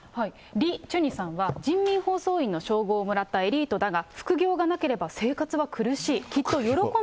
リ・チュニさんは、人民放送員の称号をもらったエリートだが副業がなければ生活は苦しい。